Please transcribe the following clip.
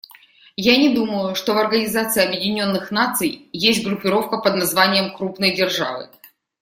Я не думаю, что в Организации Объединенных Наций есть группировка под названием "крупные державы".